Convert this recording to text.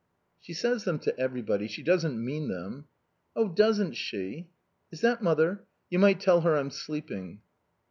"She says them to everybody. She doesn't mean them." "Oh, doesn't she!... Is that mother? You might tell her I'm sleeping."